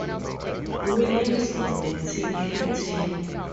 Williams was the team captain.